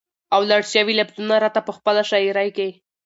او لړ شوي لفظونه راته په خپله شاعرۍ کې